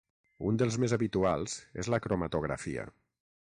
Un dels més habituals és la cromatografia.